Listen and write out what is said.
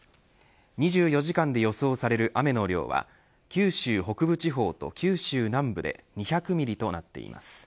２４時間で予想される雨の量は九州北部地方と九州南部で２００ミリとなっています。